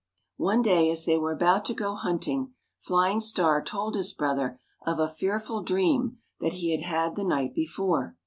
One day as they were about to go hunting, Flying Star told his brother of a fearful dream that he had had the night before.